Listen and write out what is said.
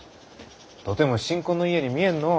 とても新婚の家に見えんのう。